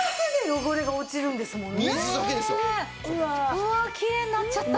うわきれいになっちゃった！